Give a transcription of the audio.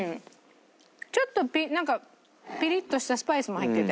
ちょっとなんかピリッとしたスパイスも入ってて。